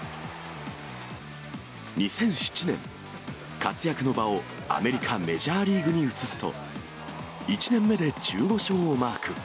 ２００７年、活躍の場をアメリカメジャーリーグに移すと、１年目で１５勝をマーク。